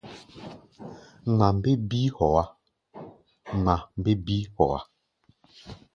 Ŋma mbé bíí hɔá.